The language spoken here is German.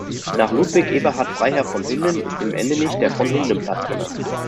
Nach Ludwig Eberhard Freiherr von Hymmen ist in Endenich der "Von-Hymmen-Platz" benannt.